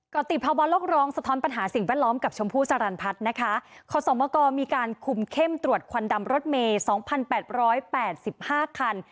กรติภาวะโลกร้องสะท้อนปัญหาสิ่งแวดล้อมกับชมพู่สรรพัฒน์นะคะขอสมกรมีการคุมเข้มตรวจควันดำรถเมย์๒๘๘๕คัน